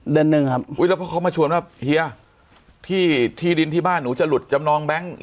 หนึ่งครับอุ้ยแล้วเพราะเขามาชวนว่าเฮียที่ที่ดินที่บ้านหนูจะหลุดจำนองแบงค์